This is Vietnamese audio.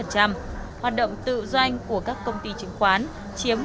hoạt động tự doanh của các công ty chứng khoán chiếm một năm mươi chín